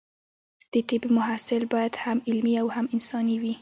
د طب محصل باید هم علمي او هم انساني وي.